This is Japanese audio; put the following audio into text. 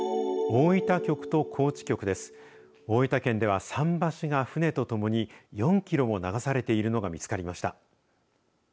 大分県では桟橋が船とともに４キロも流されているのが見つかりました。